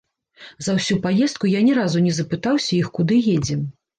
За ўсю паездку я ні разу не запытаўся іх, куды едзем.